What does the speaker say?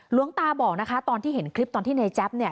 หลวงตาบอกนะคะตอนที่เห็นคลิปตอนที่ในแจ๊บเนี่ย